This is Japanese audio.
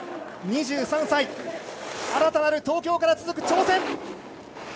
２３歳、新たなる東京から続く挑戦。